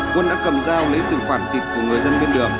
quân đã cầm dao lấy từng phản thịt của người dân biên đường